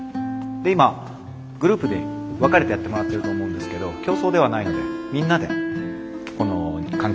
で今グループで分かれてやってもらってると思うんですけど競争ではないのでみんなでこの環境を再生していきましょう。